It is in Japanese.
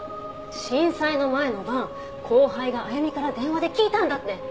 震災の前の晩後輩があゆみから電話で聞いたんだって。